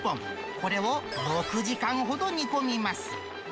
これを６時間ほど煮込みます。